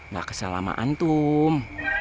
ga kesel sama antum